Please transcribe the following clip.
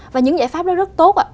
và những giải pháp đó rất tốt ạ